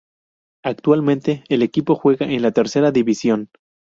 Actualmente el equipo juega en la "Tercera División.